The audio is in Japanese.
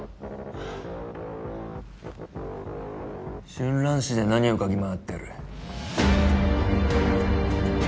春蘭市で何を嗅ぎ回ってる？